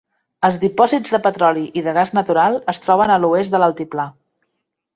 Els dipòsits de petroli i de gas natural es troben a l'oest de l'altiplà.